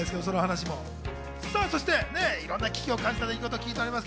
そして、いろんな危機を感じたということを聞いています。